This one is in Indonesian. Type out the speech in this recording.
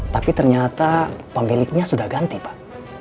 tapi ternyata pemiliknya sudah ganti pak